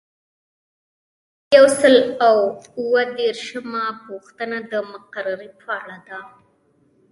یو سل او اووه دیرشمه پوښتنه د مقررې په اړه ده.